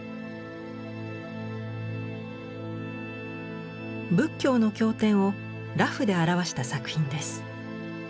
仏教の経典を裸婦で表した作品です。